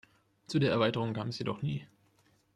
Zu der Erweiterung kam es jedoch nie.